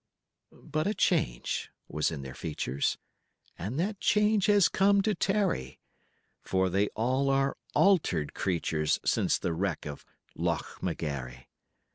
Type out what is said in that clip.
But a change was in their features, And that change has come to tarry, For they all are altered creatures Since the wreck of Loch McGarry.